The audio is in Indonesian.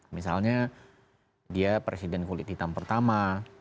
misalnya dia presiden kulit hitam pertama